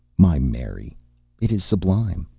my Mary, it is sublime!